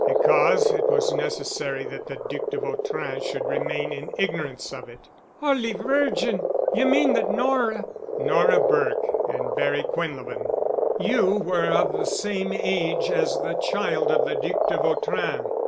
"Because it was necessary that the Duc de Vautrin should remain in ignorance of it." "Holy Virgin! You mean that Nora——?" "Nora Burke and Barry Quinlevin. You were of the same age as the child of the Duc de Vautrin.